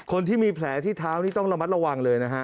คนที่มีแผลที่เท้านี่ต้องระมัดระวังเลยนะฮะ